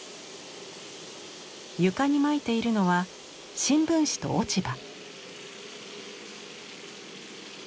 床にまいているのは新聞紙と落ち葉。